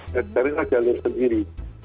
dari jalan jalur sendiri